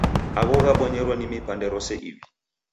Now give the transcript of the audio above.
Agho ghabonyerelo ni mipande rose iw'i.